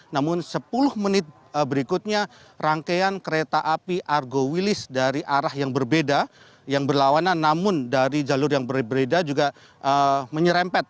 namun sepuluh menit berikutnya rangkaian kereta api argo wilis dari arah yang berbeda yang berlawanan namun dari jalur yang berbeda juga menyerempet